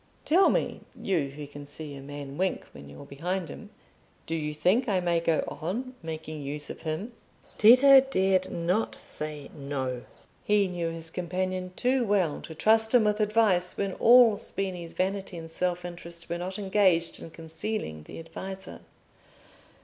Tell me, you who can see a man wink when you're behind him, do you think I may go on making use of him?" Tito dared not say "No." He knew his companion too well to trust him with advice when all Spini's vanity and self interest were not engaged in concealing the adviser.